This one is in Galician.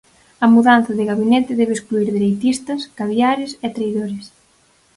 A mudanza de Gabinete debe excluír dereitistas, 'caviares' e traidores.